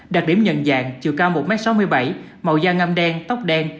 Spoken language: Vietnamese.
đặc điểm nhận dạng chiều cao một m sáu mươi bảy màu da ngâm đen tóc đen